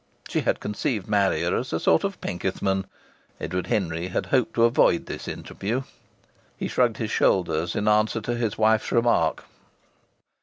She had conceived Marrier as a sort of Penkethman! Edward Henry had hoped to avoid this interview. He shrugged his shoulders in answer to his wife's remark.